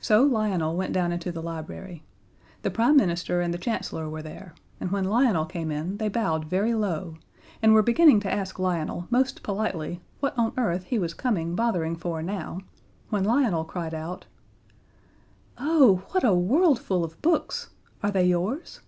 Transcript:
So Lionel went down into the library. The Prime Minister and the Chancellor were there, and when Lionel came in they bowed very low, and were beginning to ask Lionel most politely what on earth he was coming bothering for now when Lionel cried out: "Oh, what a worldful of books! Are they yours?"